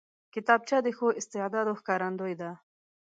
کتابچه د ښو استعداد ښکارندوی ده